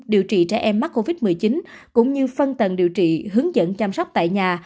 điều trị trẻ em mắc covid một mươi chín cũng như phân tầng điều trị hướng dẫn chăm sóc tại nhà